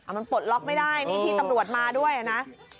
มันปลดล็อกไม่ได้นี่ที่ตำรวจมาด้วยนะ